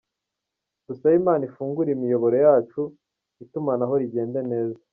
Dusabe Imana ifungure imiyoboro yacu itumanaho rigende neza.